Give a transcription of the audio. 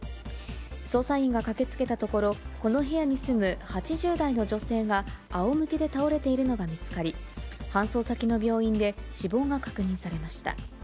捜査員が駆けつけたところ、この部屋に住む８０代の女性があおむけで倒れているのが見つかり、搬送先の病院で死亡が確認されました。